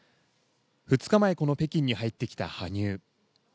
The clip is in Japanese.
２日前、北京に入ってきた羽生。